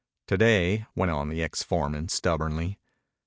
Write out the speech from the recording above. "To day," went on the ex foreman stubbornly.